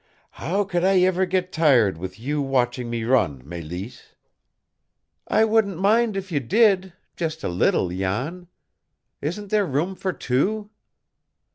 "How could I ever get tired with you watching me run, Mélisse?" "I wouldn't mind if you did just a little, Jan. Isn't there room for two?"